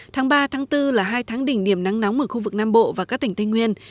tháng ba bốn là hai tháng đỉnh điểm nắng nóng ở khu vực nam bộ và các tỉnh tây nguyên